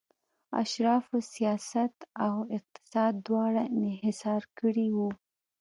اشرافو سیاست او اقتصاد دواړه انحصار کړي وو